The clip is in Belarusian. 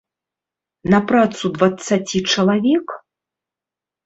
На працу дваццаці чалавек?